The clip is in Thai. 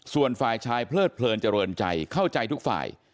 ส่วนฝ่ายชายเพลิดเพลินเจริญใจเข้าใจทุกฝ่าย